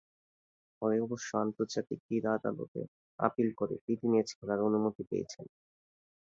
পরে অবশ্য আন্তর্জাতিক ক্রীড়া আদালতে আপিল করে প্রীতি ম্যাচ খেলার অনুমতি পেয়েছেন।